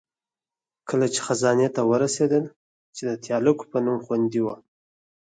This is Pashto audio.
کله چې خزانې ته ورسېدل، چې د تیالکو په نوم خوندي وه.